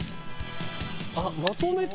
あっまとめて？